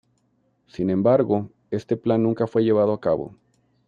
Sin embargo, este plan nunca fue llevado a cabo.